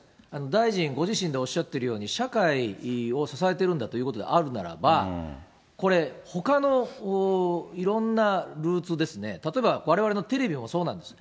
大臣ご自身っておっしゃっているように、社会を支えているんだということであるならば、これ、ほかのいろんなルーツですね、例えばわれわれのテレビもそうなんです。